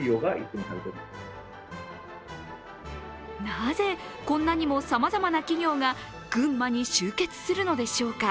なぜ、こんなにもさまざまな企業が群馬に集結するのでしょうか。